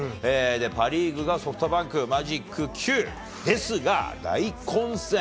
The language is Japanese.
で、パ・リーグがソフトバンク、マジック９ですが、大混戦。